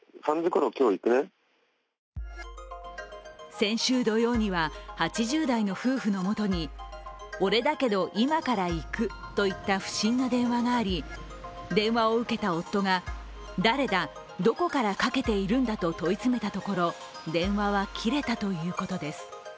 先週土曜には、８０代の夫婦のもとに、俺だけど、今から行くといった不審な電話があり、電話を受けた夫が、誰だ、どこからかけているんだと問い詰めたところ、電話は切れたということです。